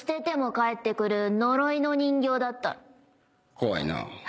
怖いなぁ。